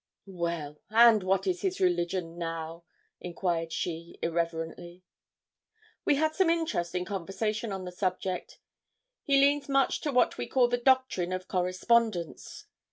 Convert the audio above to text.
'Well; and what is his religion now?' inquired she, irreverently. 'We had some interesting conversation on the subject. He leans much to what we call the doctrine of correspondents.